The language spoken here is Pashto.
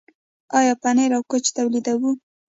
آیا پنیر او کوچ تولیدوو؟